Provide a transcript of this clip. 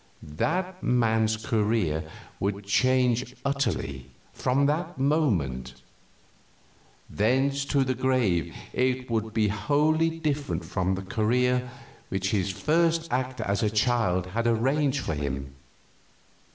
That man's career would change utterly, from that moment; thence to the grave it would be wholly different from the career which his first act as a child had arranged for him.